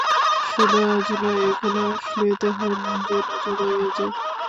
শুধু আজ নয়, এখানে আসিলেই তাহার মন যেন জুড়াইয়া যায়।